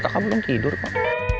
kakak belum tidur pak